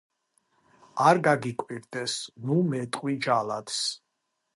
არ გაგიკვირდეს ნუ მეტყვი ჯალათს